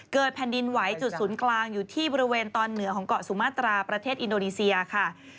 แผ่นดินไหวจุดศูนย์กลางอยู่ที่บริเวณตอนเหนือของเกาะสุมาตราประเทศอินโดนีเซียค่ะ